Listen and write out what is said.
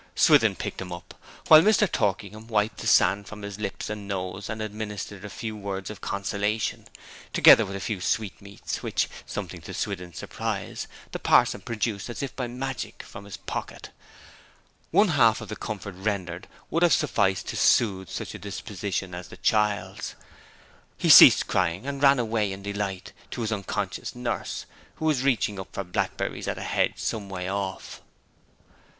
Swithin picked him up, while Mr. Torkingham wiped the sand from his lips and nose, and administered a few words of consolation, together with a few sweet meats, which, somewhat to Swithin's surprise, the parson produced as if by magic from his pocket. One half the comfort rendered would have sufficed to soothe such a disposition as the child's. He ceased crying and ran away in delight to his unconscious nurse, who was reaching up for blackberries at a hedge some way off.